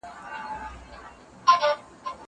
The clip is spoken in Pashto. زه اوږده وخت ښوونځی ځم!!